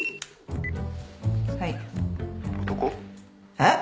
えっ！？